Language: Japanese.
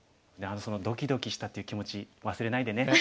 そのドキドキしたっていう気持ち忘れないでね。